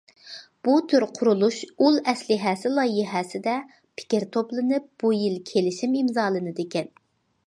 بۇ تۈر قۇرۇلۇش ئۇل ئەسلىھەسى لايىھەسىدە پىكىر توپلىنىپ، بۇ يىل كېلىشىم ئىمزالىنىدىكەن.